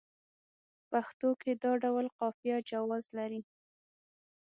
په پښتو کې دا ډول قافیه جواز لري.